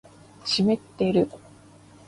湿ってる